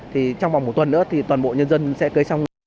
thì trong vòng một tuần nữa thì toàn bộ nhân dân sẽ cưới xong